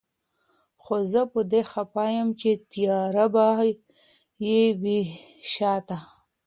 خو زه په دې خفه يم چي تياره به يې وي شاته